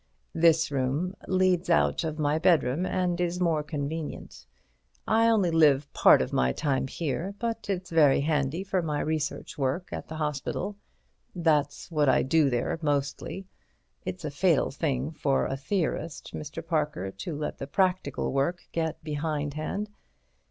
"This room leads out of my bedroom and is more convenient. I only live part of my time here, but it's very handy for my research work at the hospital. That's what I do there, mostly. It's a fatal thing for a theorist, Mr. Parker, to let the practical work get behindhand.